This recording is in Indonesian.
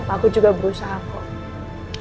aku juga berusaha kok